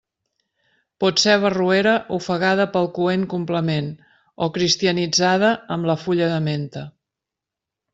Pot ser barroera ofegada pel coent complement o cristianitzada amb la fulla de menta.